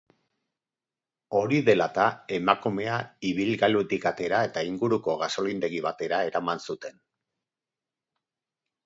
Hori dela eta, emakumea ibilgailutik atera eta inguruko gasolindegi batera eraman zuten.